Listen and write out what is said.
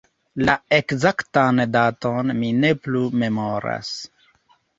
La ekzaktan daton mi ne plu memoras.